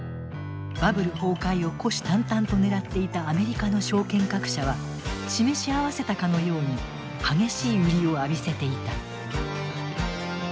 バブル崩壊を虎視眈々と狙っていたアメリカの証券各社は示し合わせたかのように激しい売りを浴びせていた。